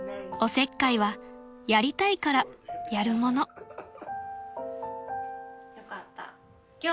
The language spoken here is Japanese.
［おせっかいはやりたいからやるもの］よかった。